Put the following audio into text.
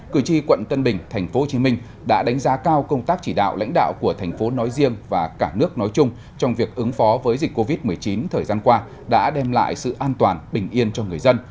cử tri quận tân bình tp hcm đã đánh giá cao công tác chỉ đạo lãnh đạo của thành phố nói riêng và cả nước nói chung trong việc ứng phó với dịch covid một mươi chín thời gian qua đã đem lại sự an toàn bình yên cho người dân